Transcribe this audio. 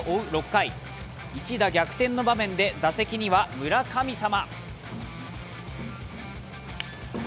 ６回、一打逆転の場面で打席には村神様。